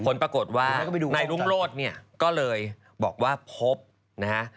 ผลปรากฏว่านายรุ่งโรธเนี่ยก็เลยบอกว่าพบนะฮะ